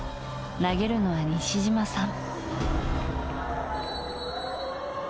投げるのは、西島さん。